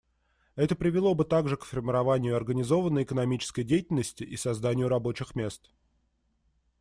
Это привело бы также к формированию организованной экономической деятельности и созданию рабочих мест.